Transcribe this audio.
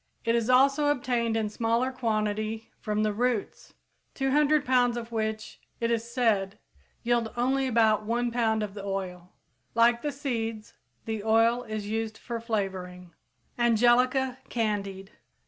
It is also obtained in smaller quantity from the roots, 200 pounds of which, it is said, yield only about one pound of the oil. Like the seeds, the oil is used for flavoring. _Angelica candied.